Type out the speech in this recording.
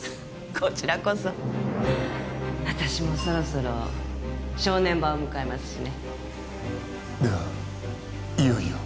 こちらこそ私もそろそろ正念場を迎えますしねではいよいよ？